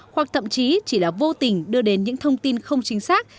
hoặc thậm chí chỉ là vô tình đưa đến những thông tin không chính xác